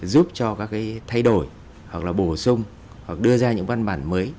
giúp cho các cái thay đổi hoặc là bổ sung hoặc đưa ra những văn bản mới